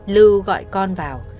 lưu gọi con vào